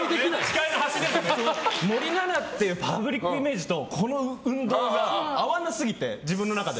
森七菜っていうパブリックイメージとこの運動が合わなすぎて自分の中で。